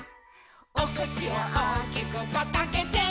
「おくちをおおきくパッとあけて」